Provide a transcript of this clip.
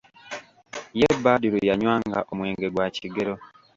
Ye Badru, yanywanga omwenge gwa kigero.